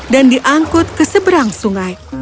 dan dia diangkut keseberang sungai